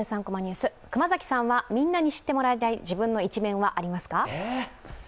３コマニュース」、熊崎さんはみんなに知ってもらいたい自分の一面はありますか？